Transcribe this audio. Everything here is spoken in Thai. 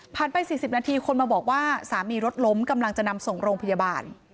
ไป๔๐นาทีคนมาบอกว่าสามีรถล้มกำลังจะนำส่งโรงพยาบาล